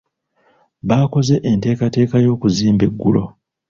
Baakoze enteekateeka y'okuzimba eggulo.